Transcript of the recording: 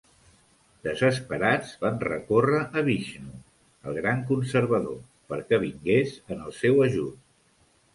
Desesperats, van recórrer a Vixnu, el gran conservador, perquè vingués en el seu ajut.